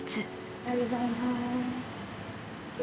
おはようございます。